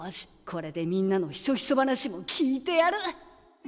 これでみんなのひそひそ話も聞いてやる！